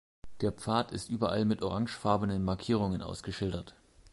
Der Pfad ist überall mit orangefarbenen Markierungen ausgeschildert.